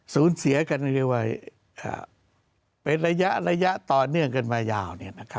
สูญเสียกันไว้เป็นระยะต่อเนื่องกันมายาว